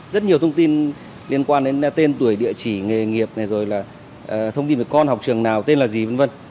rất nhiều thông tin liên quan đến tên tuổi địa chỉ nghề nghiệp này rồi là thông tin về con học trường nào tên là gì v v